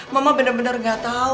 mama benar benar nggak tahu